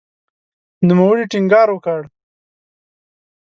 نوموړي ټینګار وکړ